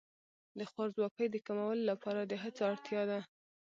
د خوارځواکۍ د کمولو لپاره د هڅو اړتیا ده.